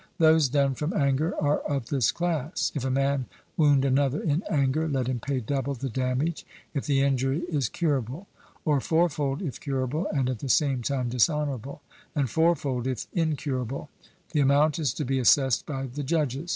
Those done from anger are of this class. If a man wound another in anger, let him pay double the damage, if the injury is curable; or fourfold, if curable, and at the same time dishonourable; and fourfold, if incurable; the amount is to be assessed by the judges.